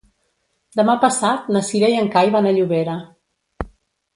Demà passat na Cira i en Cai van a Llobera.